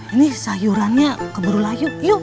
ini sayurannya keburu layu yuk